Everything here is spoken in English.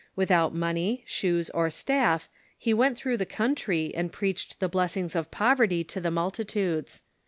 Without money, shoes, or staff, he went through the country, and preached the blessings of poverty to the multitudes.